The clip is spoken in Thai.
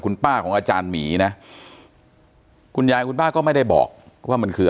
คุณป้าของอาจารย์หมีนะคุณยายคุณป้าก็ไม่ได้บอกว่ามันคือ